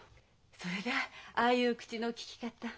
それでああいう口のきき方。